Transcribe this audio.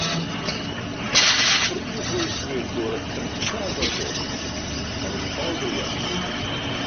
Prif Weithredwr cyntaf y bwrdd oedd Paul Williams.